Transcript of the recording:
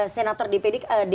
senator dpi harus mengawasi ya